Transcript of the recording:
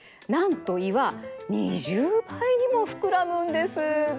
なんと胃は２０ばいにもふくらむんです。